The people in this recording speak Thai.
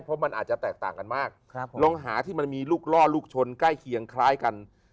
เพราะมันอาจจะแตกต่างกันมากลองหาที่มันมีลูกล่อลูกชนใกล้เคียงคล้ายกัน